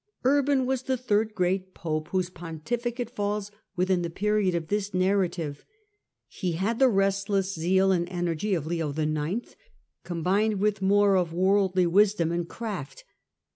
Urban was the third great pope whose pontificate falls within the period of this narrative. He had the restless Desalts zoal and energy of Leo IX. combined with pontifioate more of worldly wisdom and craft.